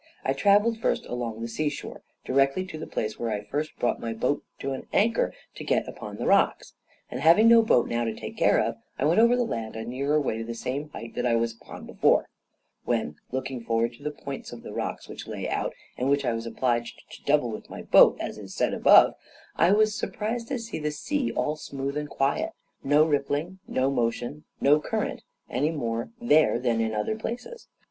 I travelled first along the seashore, directly to the place where I first brought my boat to an anchor to get upon the rocks; and, having no boat now to take care of, I went over the land a nearer way to the same height that I was upon before, when, looking forward to the points of the rocks which lay out, and which I was obliged to double with my boat, as is said above, I was surprised to see the sea all smooth and quiet no rippling, no motion, no current, any more there than in other places.